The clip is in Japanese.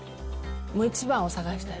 一番を探したい。